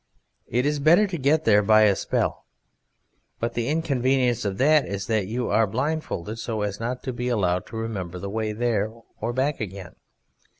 It is better to get there by a spell. But the inconvenience of that is that you are blindfolded so as not to be allowed to remember the way there or back again.